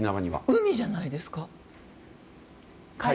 海じゃないですか。